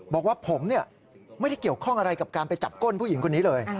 บอกว่าผมไม่ได้เกี่ยวข้องอะไรกับการไปจับก้นผู้หญิงคนนี้เลย